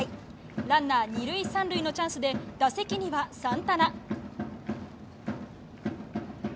ランナー２塁３塁のチャンスで打席にはサンタナ。